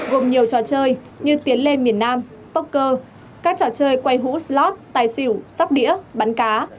gồm nhiều trò chơi như tiến lên miền nam poker các trò chơi quay hót tài xỉu sóc đĩa bắn cá